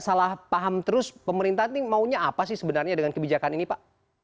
salah paham terus pemerintah ini maunya apa sih sebenarnya dengan kebijakan ini pak